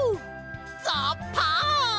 ザッパン！